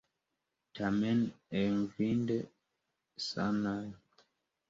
Tamen enviinde sanaj.